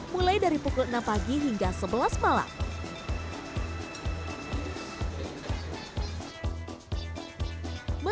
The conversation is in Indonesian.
mulai dari pukul enam pagi hingga sebelas malam